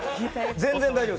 全然大丈夫。